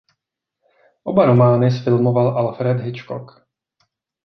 Oba romány zfilmoval Alfred Hitchcock.